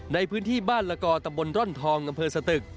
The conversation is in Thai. ในพื้นที่บ้านละกอตำบลร่อนทองอำเภอสตึก